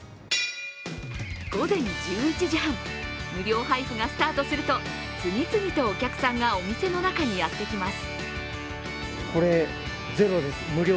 午前１１時半、無料配布がスタートすると次々とお客さんがお店の中にやってきます。